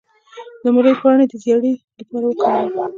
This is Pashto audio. د مولی پاڼې د زیړي لپاره وکاروئ